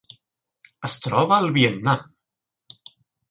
Es troba al Vietnam.